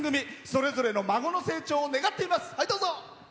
それぞれの孫の成長を願っています。